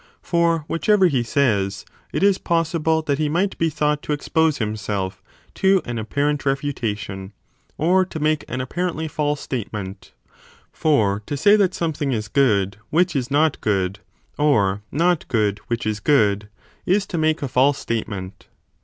For whichever he says, it is possible that he might be thought to expose himself to an 10 apparent refutation or to make an apparently false state ment : for to say that something is good which is not good, or not good which is good, is to make a false statement.